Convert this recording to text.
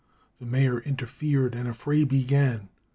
The mayor interfered and a fray began.